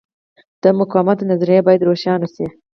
د مقاومت نظریه باید روښانه شي.